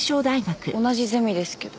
同じゼミですけど。